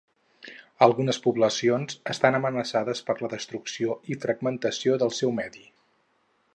Algunes poblacions estan amenaçades per la destrucció i fragmentació del seu medi.